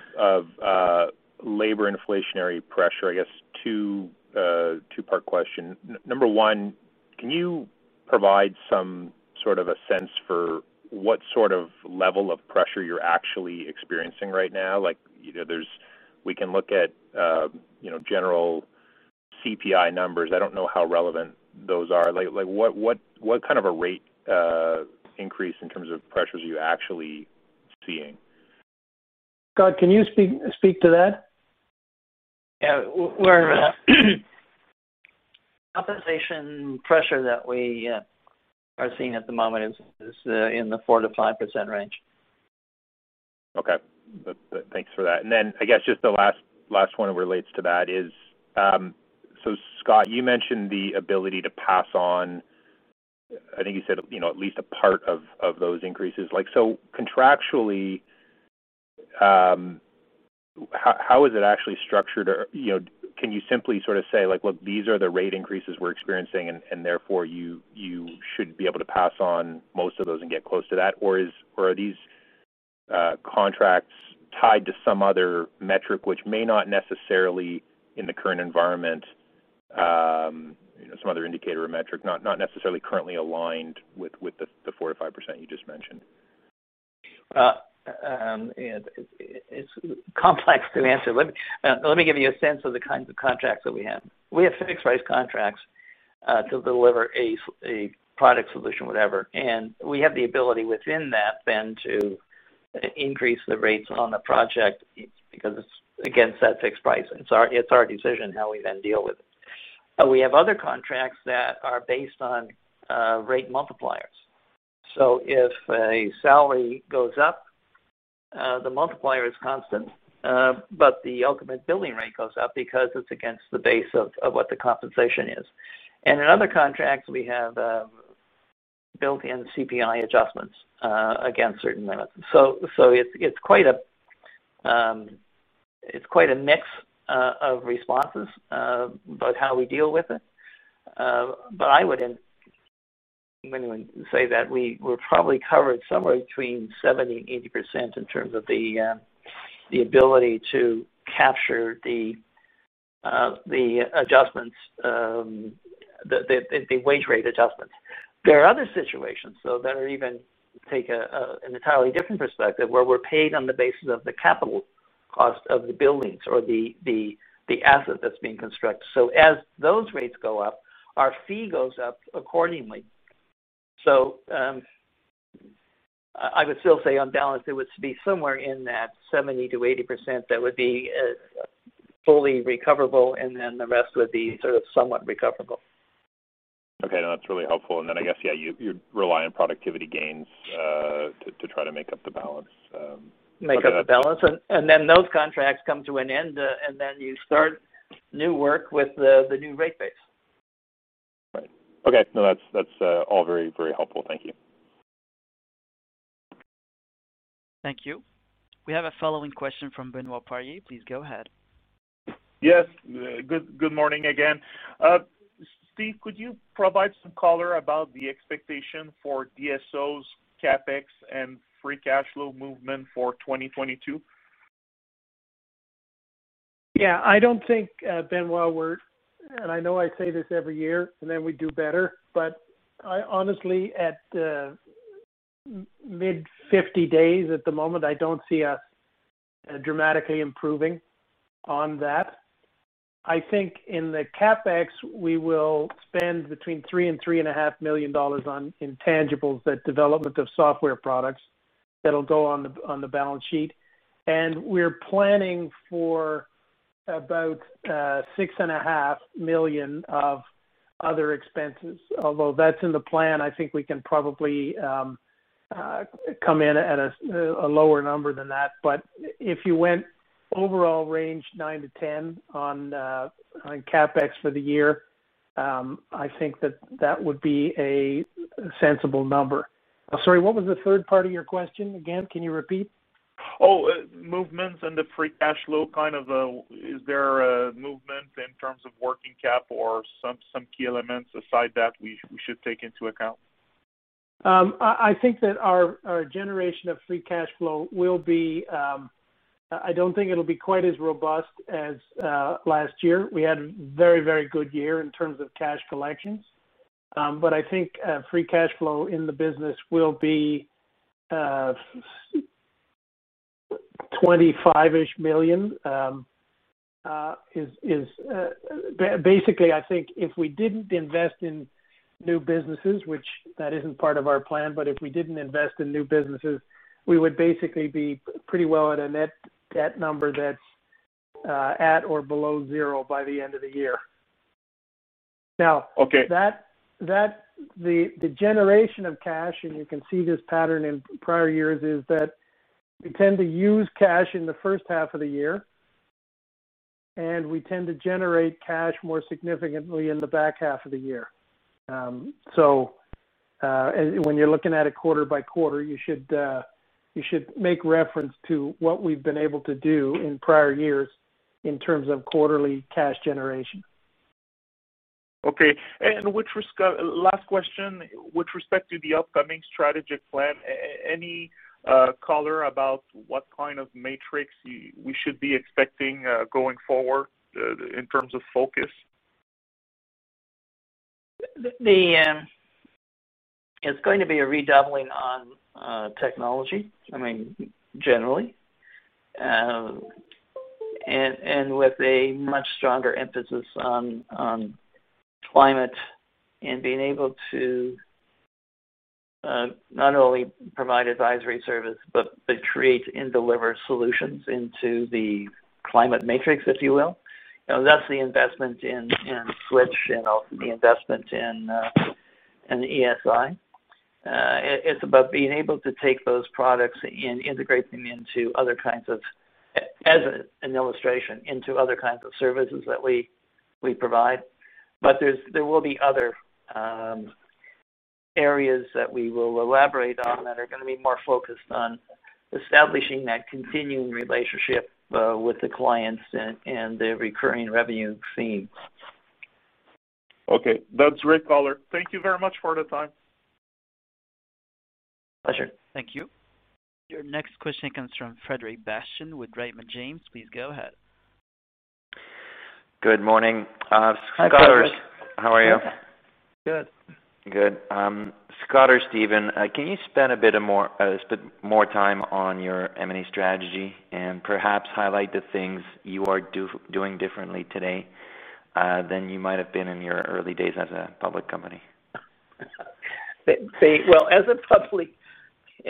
labor inflationary pressure, I guess two-part question. Number one, can you provide some sort of a sense for what sort of level of pressure you're actually experiencing right now? We can look at general CPI numbers. I don't know how relevant those are. What kind of a rate increase in terms of pressures are you actually seeing? Scott, can you speak to that? The compensation pressure that we are seeing at the moment is in the 4%-5% range. Okay. Thanks for that. Then I guess just the last one relates to that is, so Scott, you mentioned the ability to pass on, I think you said, you know, at least a part of those increases. Like, so contractually, how is it actually structured? Or, you know, can you simply sort of say like, "Look, these are the rate increases we're experiencing, and therefore you should be able to pass on most of those and get close to that?" Or are these contracts tied to some other metric which may not necessarily in the current environment, some other indicator or metric, not necessarily currently aligned with the 4%-5% you just mentioned. It's complex to answer. Let me give you a sense of the kinds of contracts that we have. We have fixed price contracts to deliver a product solution, whatever. We have the ability within that then to increase the rates on the project because it's against that fixed price. It's our decision how we then deal with it. We have other contracts that are based on rate multipliers. So if a salary goes up, the multiplier is constant, but the ultimate billing rate goes up because it's against the base of what the compensation is. In other contracts, we have built-in CPI adjustments against certain limits. It's quite a mix of responses about how we deal with it. I would say that we were probably covered somewhere between 70%-80% in terms of the ability to capture the adjustments, the wage rate adjustments. There are other situations, though, that even take an entirely different perspective, where we're paid on the basis of the capital cost of the buildings or the asset that's being constructed. I would still say on balance, it would be somewhere in that 70%-80% that would be fully recoverable, and then the rest would be sort of somewhat recoverable. Okay. That's really helpful. Then I guess, yeah, you'd rely on productivity gains to try to make up the balance. Make up the balance. Those contracts come to an end, and then you start new work with the new rate base. Right. Okay. No, that's all very, very helpful. Thank you. Thank you. We have the following question from Benoit Poirier. Please go ahead. Yes. Good morning again. Steve, could you provide some color about the expectation for DSOs, CapEx, and free cash flow movement for 2022? I don't think, Benoit, and I know I say this every year, and then we do better. Honestly, at mid-50 days at the moment, I don't see us dramatically improving on that. I think in the CapEx, we will spend between 3 million dollars and CAD 3.5 million on intangibles, the development of software products that'll go on the balance sheet. We're planning for about 6.5 million of other expenses. Although that's in the plan, I think we can probably come in at a lower number than that. If you went overall range 9 million-10 million on CapEx for the year, I think that would be a sensible number. Sorry, what was the third part of your question again? Can you repeat? Movements in the free cash flow, kind of, is there a movement in terms of working cap or some key elements aside that we should take into account? I think that our generation of free cash flow will be. I don't think it'll be quite as robust as last year. We had a very good year in terms of cash collections. I think free cash flow in the business will be 25-ish million. Basically, I think if we didn't invest in new businesses, which isn't part of our plan, but if we didn't invest in new businesses, we would basically be pretty well at a net debt number that's at or below 0 by the end of the year. Okay. The generation of cash, and you can see this pattern in prior years, is that we tend to use cash in the first half of the year, and we tend to generate cash more significantly in the back half of the year. When you're looking at it quarter by quarter, you should make reference to what we've been able to do in prior years in terms of quarterly cash generation. Okay. Last question, with respect to the upcoming strategic plan, any color about what kind of metrics we should be expecting, going forward, in terms of focus? It's going to be a redoubling on technology, I mean, generally, and with a much stronger emphasis on climate and being able to not only provide advisory service, but to create and deliver solutions into the climate matrix, if you will. You know, that's the investment in SWTCH and the investment in ESI. It's about being able to take those products and integrate them into other kinds of services, as an illustration, that we provide. There will be other areas that we will elaborate on that are gonna be more focused on establishing that continuing relationship with the clients and the recurring revenue theme. Okay. That's great, caller. Thank you very much for the time. Pleasure. Thank you. Your next question comes from Frederic Bastien with Raymond James. Please go ahead. Good morning, Scott. Hi, Frederic. How are you? Good. Good. Scott or Stephen, can you spend more time on your M&A strategy and perhaps highlight the things you are doing differently today than you might have been in your early days as a public company? In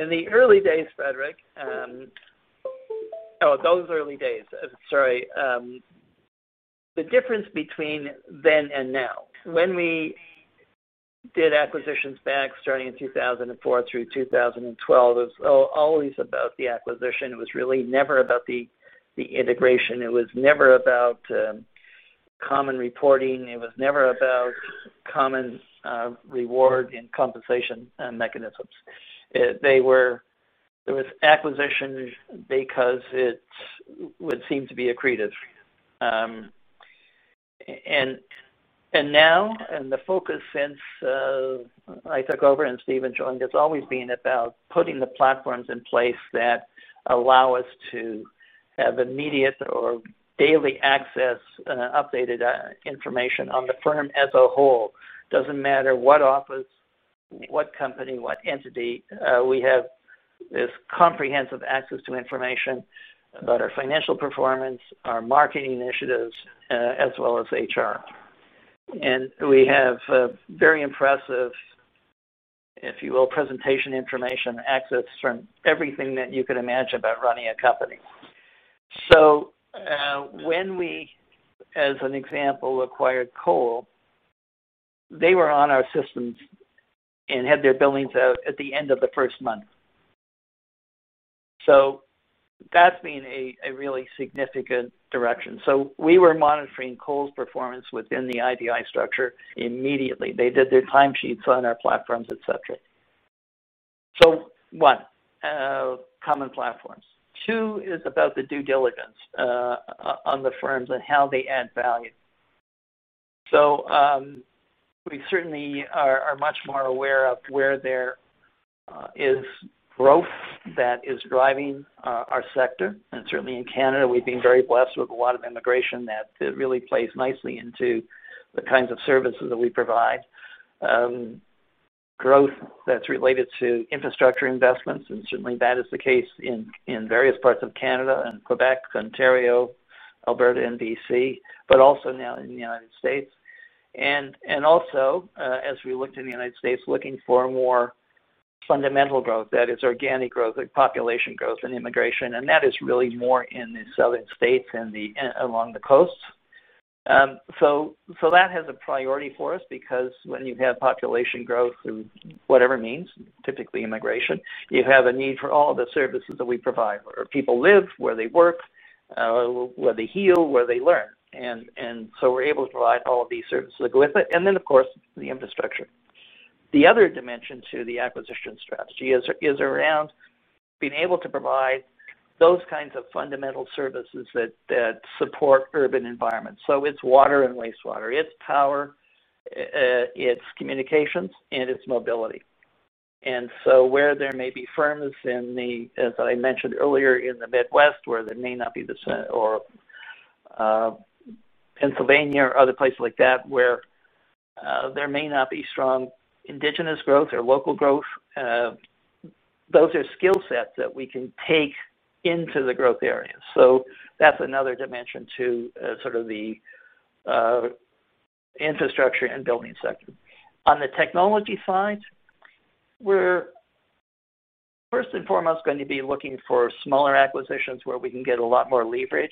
the early days, Frederic. Oh, those early days. Sorry. The difference between then and now. When we did acquisitions back starting in 2004 through 2012, it was always about the acquisition. It was really never about the integration. It was never about common reporting. It was never about common reward and compensation mechanisms. It was acquisitions because it would seem to be accretive. And now, the focus since I took over and Stephen joined, it's always been about putting the platforms in place that allow us to have immediate or daily access, updated information on the firm as a whole. Doesn't matter what office, what company, what entity, we have this comprehensive access to information about our financial performance, our marketing initiatives, as well as HR. We have a very impressive, if you will, presentation information access from everything that you could imagine about running a company. When we, as an example, acquired Cole, they were on our systems and had their billings out at the end of the first month. That's been a really significant direction. We were monitoring Cole's performance within the IBI structure immediately. They did their time sheets on our platforms, et cetera. One, common platforms. Two is about the due diligence on the firms and how they add value. We certainly are much more aware of where there is growth that is driving our sector. Certainly in Canada, we've been very blessed with a lot of immigration that really plays nicely into the kinds of services that we provide. Growth that's related to infrastructure investments, and certainly that is the case in various parts of Canada and Quebec, Ontario, Alberta, and BC, but also now in the United States. Also, as we looked in the United States, looking for more fundamental growth, that is organic growth, like population growth and immigration, and that is really more in the southern states and along the coasts. That has a priority for us because when you have population growth through whatever means, typically immigration, you have a need for all the services that we provide. Where people live, where they work, where they heal, where they learn. We're able to provide all of these services that go with it, of course, the infrastructure. The other dimension to the acquisition strategy is around being able to provide those kinds of fundamental services that support urban environments. It's water and wastewater, it's power, it's communications, and it's mobility. Where there may be firms, as I mentioned earlier, in the Midwest, where there may not be the same or Pennsylvania or other places like that, where there may not be strong indigenous growth or local growth, those are skill sets that we can take into the growth areas. That's another dimension to sort of the infrastructure and building sector. On the technology side, we're first and foremost gonna be looking for smaller acquisitions where we can get a lot more leverage,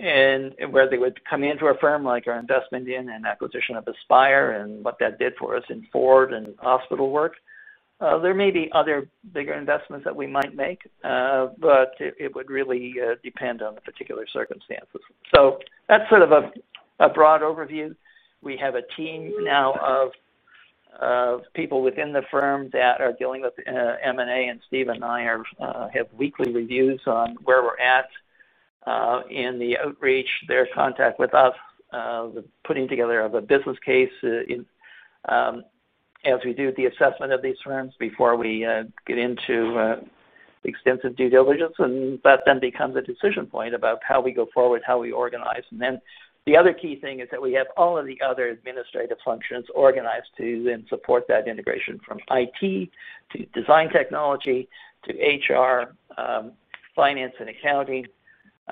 and where they would come into a firm like our investment in and acquisition of Aspyre and what that did for us in Ford and hospital work. There may be other bigger investments that we might make, but it would really depend on the particular circumstances. That's sort of a broad overview. We have a team now of people within the firm that are dealing with M&A, and Steve and I are have weekly reviews on where we're at, in the outreach, their contact with us, the putting together of a business case, in, as we do the assessment of these firms before we get into the extensive due diligence. That then becomes a decision point about how we go forward, how we organize. The other key thing is that we have all of the other administrative functions organized to then support that integration, from IT to design technology to HR, finance and accounting,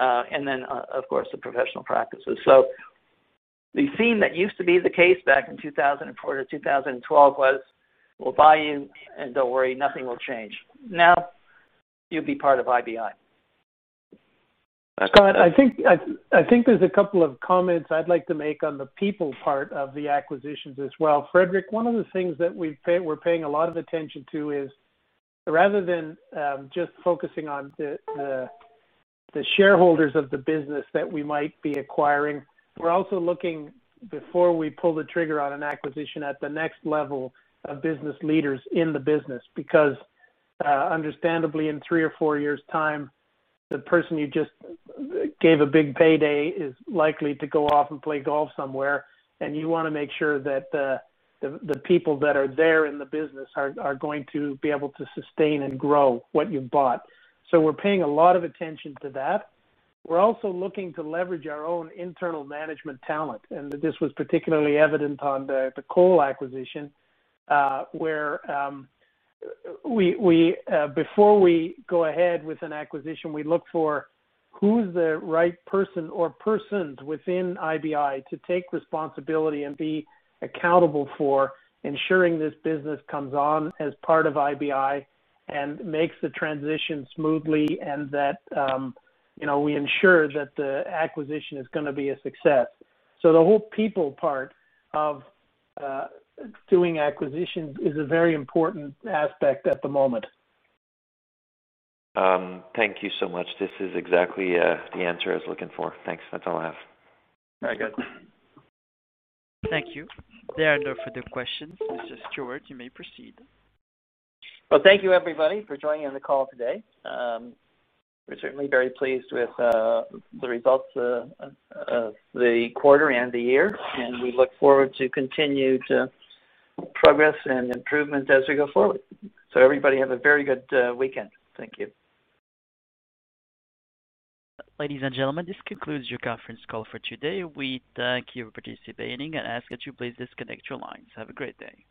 and then of course, the professional practices. The theme that used to be the case back in 2004 to 2012 was, we'll buy you, and don't worry, nothing will change. Now, you'll be part of IBI. Scott, I think there's a couple of comments I'd like to make on the people part of the acquisitions as well. Frederic, one of the things that we're paying a lot of attention to is rather than just focusing on the shareholders of the business that we might be acquiring, we're also looking, before we pull the trigger on an acquisition, at the next level of business leaders in the business. Because understandably, in three or four years' time, the person you just gave a big payday is likely to go off and play golf somewhere, and you wanna make sure that the people that are there in the business are going to be able to sustain and grow what you've bought. We're paying a lot of attention to that. We're also looking to leverage our own internal management talent. This was particularly evident on the Cole acquisition, where before we go ahead with an acquisition, we look for who's the right person or persons within IBI to take responsibility and be accountable for ensuring this business comes on as part of IBI and makes the transition smoothly and that, you know, we ensure that the acquisition is gonna be a success. The whole people part of doing acquisitions is a very important aspect at the moment. Thank you so much. This is exactly the answer I was looking for. Thanks. That's all I have. All right. Thank you. There are no further questions. Mr. Stewart, you may proceed. Well, thank you, everybody, for joining the call today. We're certainly very pleased with the results of the quarter and the year, and we look forward to continued progress and improvement as we go forward. Everybody, have a very good weekend. Thank you. Ladies and gentlemen, this concludes your conference call for today. We thank you for participating and ask that you please disconnect your lines. Have a great day.